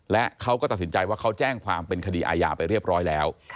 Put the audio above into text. และเขาก็ตัดสินใจว่าเขาแจ้งความเป็นคดีอาญาไปเรียบร้อยแล้ว